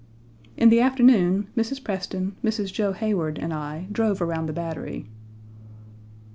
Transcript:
In the afternoon, Mrs. Preston, 1 Mrs. Joe Heyward, and I drove around the Battery.